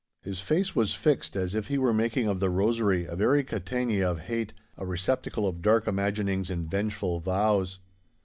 His face was fixed, as if he were making of the rosary a very catena of hate, a receptacle of dark imaginings and vengeful vows.